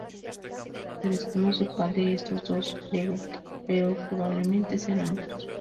Se desconoce cual de estos dos le gusta, pero probablemente sean ambos.